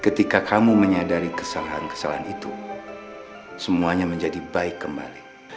ketika kamu menyadari kesalahan kesalahan itu semuanya menjadi baik kembali